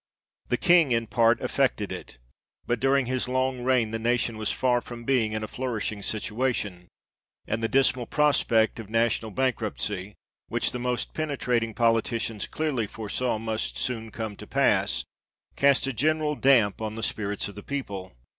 The King in part effected it ; but during his long reign, the nation was far from being in a flourishing situation, and the dismal prospect of national bank ruptcy, which the most penetrating politicians clearly foresaw must soon come to pass, cast a general damp on the spirits of the people.